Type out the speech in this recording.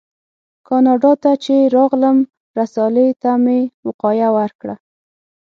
کاناډا ته چې راغلم رسالې ته مې وقایه ورکړه.